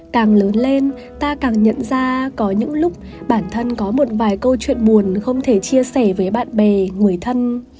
càng lớn lên ta càng nhận ra có những lúc bản thân có một vài câu chuyện buồn không thể chia sẻ với bạn bè người thân